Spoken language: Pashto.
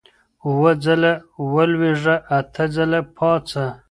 اووه ځله ولوېږه، اته ځله پاڅه.